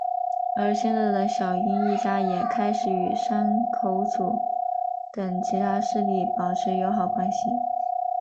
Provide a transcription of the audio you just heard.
而现在的小樱一家也开始与山口组等其他势力保持友好关系。